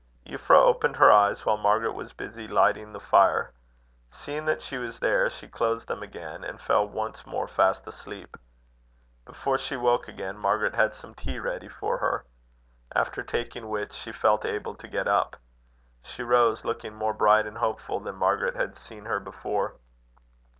Euphra opened her eyes while Margaret was busy lighting the fire. Seeing that she was there, she closed them again, and fell once more fast asleep. Before she woke again, Margaret had some tea ready for her; after taking which, she felt able to get up. She rose looking more bright and hopeful than Margaret had seen her before.